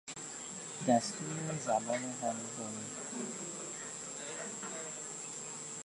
دستور زبان همگانی